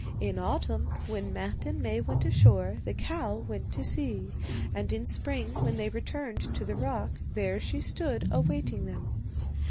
In autumn, when Matte and Maie went ashore, the cow went to sea, and in spring, when they returned to the rock, there she stood awaiting them.